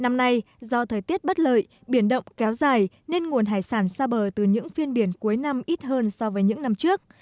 năm nay do thời tiết bất lợi biển động kéo dài nên nguồn hải sản xa bờ từ những phiên biển cuối năm ít hơn so với những năm trước